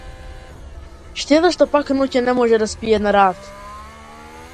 Штета што пак ноќе не може да спие на раат.